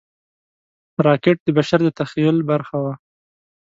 راکټ د بشر د تخیل برخه وه